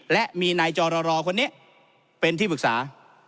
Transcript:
และมีนายจรรคนนี้เป็นที่ปรึกษา